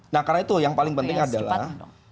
nah karena itu yang paling penting adalah